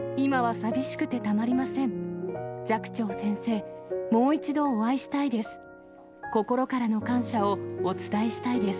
寂聴先生、もう一度お会いしたいです。